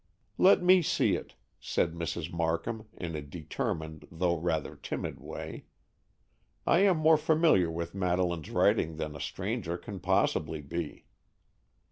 "Let me see it," said Mrs. Markham, in a determined, though rather timid way. "I am more familiar with Madeleine's writing than a stranger can possibly be."